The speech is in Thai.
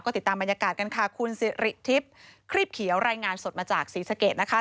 ติดตามบรรยากาศกันค่ะคุณสิริทิพย์ครีบเขียวรายงานสดมาจากศรีสะเกดนะคะ